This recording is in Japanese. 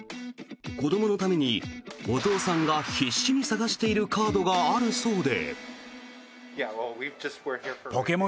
子どものためにお父さんが必死に探しているカードがあるそうで。